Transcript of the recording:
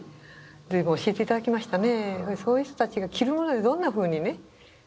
随分教えて頂きましたね。